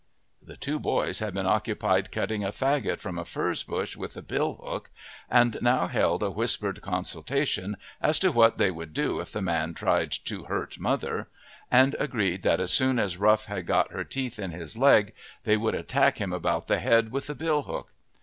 The two boys had been occupied cutting a faggot from a furze bush with a bill hook, and now held a whispered consultation as to what they would do if the man tried to "hurt mother," and agreed that as soon as Rough had got her teeth in his leg they would attack him about the head with the bill hook.